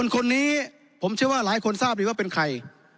คนนี้ผมเชื่อว่าหลายคนทราบดีว่าเป็นใคร